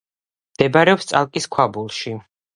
მდებარეობს წალკის ქვაბულში.